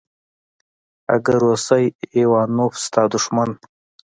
اگه روسی ايوانوف ستا دښمن.